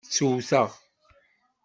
Ttewteɣ.